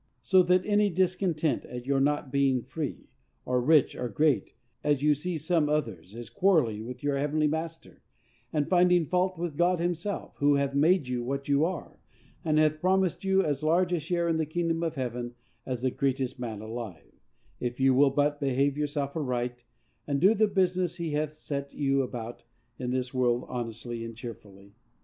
So that any discontent at your not being free, or rich, or great, as you see some others, is quarrelling with your heavenly Master, and finding fault with God himself, who hath made you what you are, and hath promised you as large a share in the kingdom of heaven as the greatest man alive, if you will but behave yourself aright, and do the business he hath set you about in this world honestly and cheerfully.